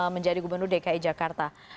menjadi gubernur dki jakarta